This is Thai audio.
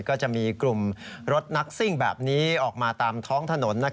ก็จะมีกลุ่มรถนักซิ่งแบบนี้ออกมาตามท้องถนน